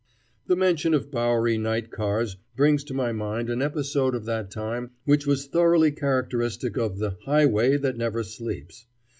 The mention of Bowery night cars brings to my mind an episode of that time which was thoroughly characteristic of the "highway that never sleeps."